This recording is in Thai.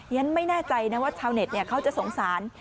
ฉันไม่แน่ใจนะว่าชาวเน็ตเขาจะสงสาร